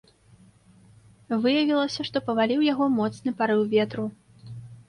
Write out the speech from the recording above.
Выявілася, што паваліў яго моцны парыў ветру.